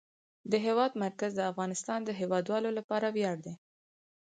د هېواد مرکز د افغانستان د هیوادوالو لپاره ویاړ دی.